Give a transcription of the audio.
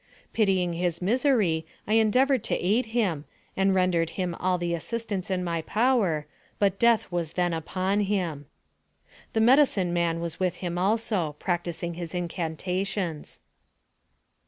Pitying his misery, I endeavored to aid him, and rendered him all the assistance in my power, but death was then upon him. The medicine man was with him also, practicing his incantations.